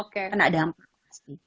kena dampak pasti